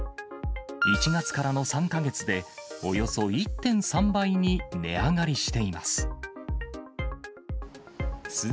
１月からの３か月で、およそ１．３倍に値上がりしています。